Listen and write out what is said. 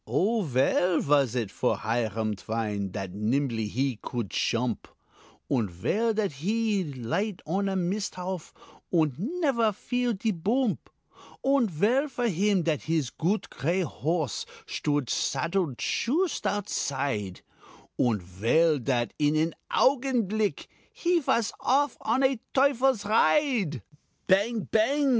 Oh, vell was it for Hiram Twine Dat nimply he couldt shoomp; Und vell dat he light on a misthauf, Und nefer feel de boomp; Und vell for him dat his goot cray horse Shtood sattled shoost outside; Und vell dat in an augenblick He vas off on a teufel's ride. Bang! bang!